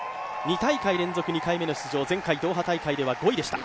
２大会連続、２回目の出場、前回ドーハ大会では５位でした。